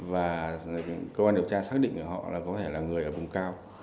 và cơ quan điều tra xác định họ là có thể là người ở vùng cao